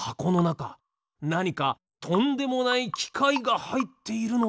なにかとんでもないきかいがはいっているのでは？